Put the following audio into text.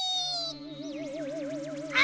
あ！